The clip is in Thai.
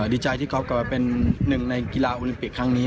ดีใจที่เขากลับมาเป็นหนึ่งในกีฬาโอลิมปิกครั้งนี้